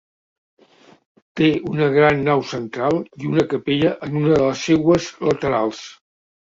Té una gran nau central i una capella en una de les seues laterals.